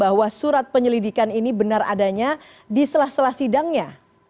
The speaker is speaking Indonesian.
apakah surat penyelidikan ini benar adanya di selah selah sidangnya